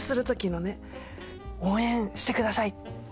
「応援してください！」。